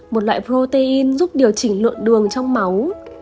một loại protein giúp điều chỉnh lượng đường trong máu